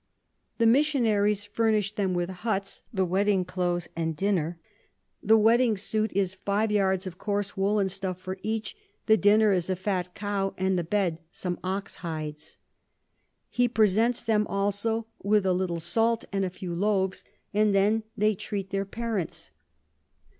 The Missionaries furnish them with Hutts, the Wedding Clothes and Dinner. The Wedding Suit is five yards of coarse woollen Stuff for each, the Dinner is a fat Cow, and the Bed some Ox hides. He presents them also with a little Salt and a few Loaves, and then they treat their Parents.